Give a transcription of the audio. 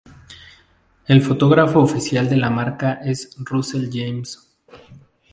El fotógrafo oficial de la marca es Russell James.